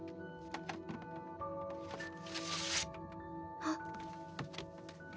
あっ。